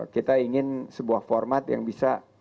kita ingin sebuah format yang bisa